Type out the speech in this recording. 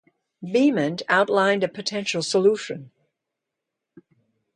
Beament outlined a potential solution.